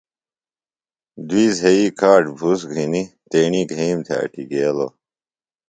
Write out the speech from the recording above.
دُئی زھئی کاڇ بُھس گِھینیۡ تیݨیۡ گھئیم تھےۡ اٹیۡ گیلوۡ۔